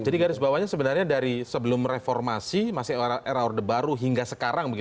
jadi garis bawahnya sebenarnya dari sebelum reformasi masih era orde baru hingga sekarang